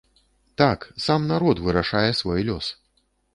Так, сам народ вырашае свой лёс!